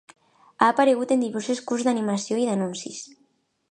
Ha aparegut en diversos curts d'animació i anuncis.